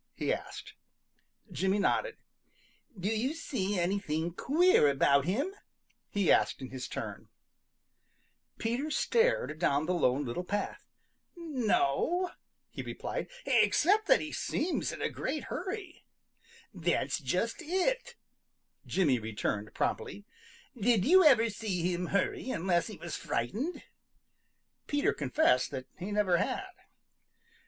he asked. Jimmy nodded. "Do you see anything queer about him?" he asked in his turn. [Illustration: "Do you see anything queer about him?" he asked.] Peter stared down the Lone Little Path. "No," he replied, "except that he seems in a great hurry." "That's just it," Jimmy returned promptly. "Did you ever see him hurry unless he was frightened?" Peter confessed that he never had.